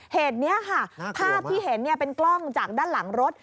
เหตุนี้ค่ะภาพที่เห็นเป็นกล้องจากด้านหลังรถ